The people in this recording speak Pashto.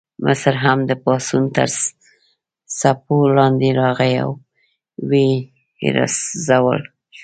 مصر هم د پاڅون تر څپو لاندې راغی او وپرځول شو.